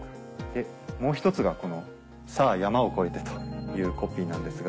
もう一つがこの「さぁ、山を越えて。」というコピーなんですが。